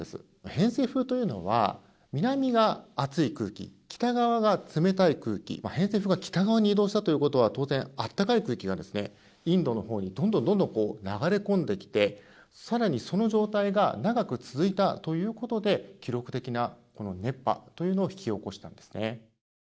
偏西風というのは南が暑い空気、北側が冷たい空気偏西風が北側に移動したということは当然、暖かい空気がインドのほうにどんどん流れ込んできて更に、その状態が長く続いたということで記録的なこの熱波というのを引き起こしたんですね。